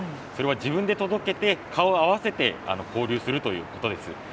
それは自分で届けて、顔を合わせて交流するということです。